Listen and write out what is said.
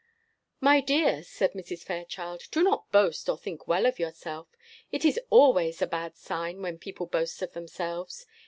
"My dear," said Mrs. Fairchild, "do not boast or think well of yourself; it is always a bad sign when people boast of themselves.